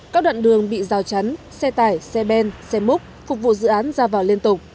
các đoạn đường bị rào chắn xe tải xe ben xe múc phục vụ dự án ra vào liên tục